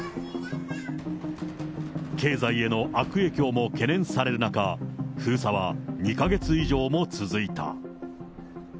経済への悪影響も懸念される中、封鎖は２か月以上も続いた。